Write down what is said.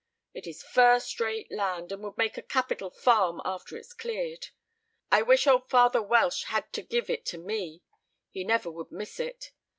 It is first rate land, and would make a capital farm after it's cleared. I wish old father Welch had to give it to me; he never would miss it.